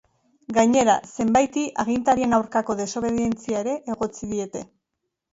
Gainera, zenbaiti agintarien aurkako desobedientzia ere egotzi diete.